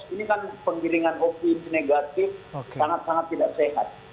ini kan penggiringan opini negatif sangat sangat tidak sehat